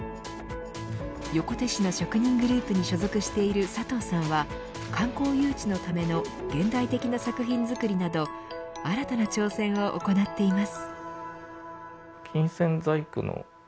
横手市の職人グループに所属している佐藤さんは観光誘致のための現代的な作品作りなど新たな挑戦を行っています。